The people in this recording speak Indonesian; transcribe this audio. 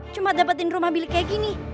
cuma dapetin rumah bilik kayak gini